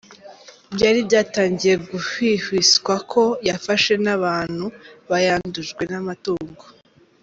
Byari byatangiye guhwihwiswa ko yafashe n’abantu bayandujwe n’amatungo.